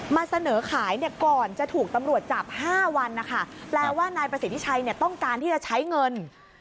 มาเสนอขายเนี่ยก่อนจะถูกตำรวจจับ๕วันนะคะแปลว่านายประสิทธิชัยต้องการที่จะใช้เงิน